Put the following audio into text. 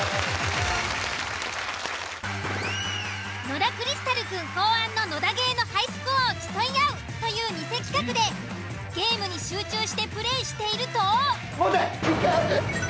野田クリスタルくん考案の野田ゲーのハイスコアを競い合うというニセ企画でゲームに集中してプレーしていると。